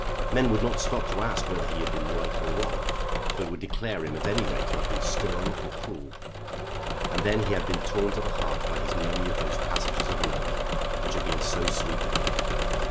Men would not stop to ask whether he had been right or wrong, but would declare him at any rate to have been stern and cruel. And then he had been torn to the heart by his memory of those passages of love which had been so sweet to him.